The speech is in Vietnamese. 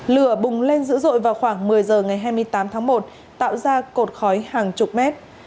lửa bùng lên dữ dội vào khoảng một mươi giờ ngày hai mươi tám tháng một tạo ra cột khói hàng chục mét